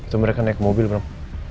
itu mereka naik mobil berapa